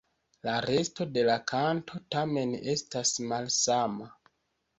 La resto de la kanto, tamen, estas malsama.